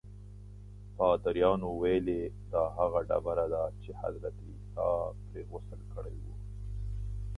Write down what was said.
پادریانو ویلي دا هغه ډبره ده چې حضرت عیسی پرې غسل کړی و.